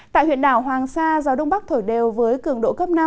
tại huyện đảo hoàng sa gió đông bắc thổi đều với cường độ cấp năm